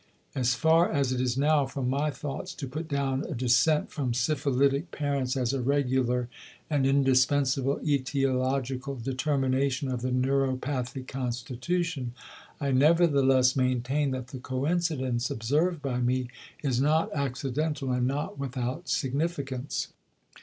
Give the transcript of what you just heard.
As far as it is now from my thoughts to put down a descent from syphilitic parents as a regular and indispensable etiological determination of the neuropathic constitution, I nevertheless maintain that the coincidence observed by me is not accidental and not without significance.